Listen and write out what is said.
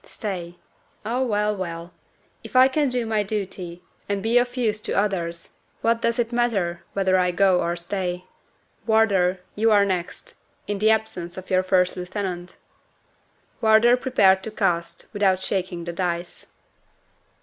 "Stay! Ah, well! well! if I can do my duty, and be of use to others, what does it matter whether I go or stay? Wardour, you are next, in the absence of your first lieutenant." Wardour prepared to cast, without shaking the dice.